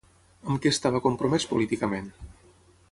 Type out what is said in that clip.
Amb què estava compromès políticament?